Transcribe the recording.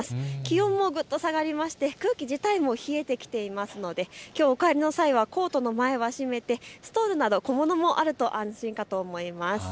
気温も下がりまして空気自体も冷えてきていますのできょうお帰りの際はコートの前はしめてストールなど小物もあると安心だと思います。